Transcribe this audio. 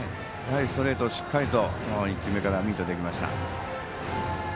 ストレートをしっかりと１球目からミートできました。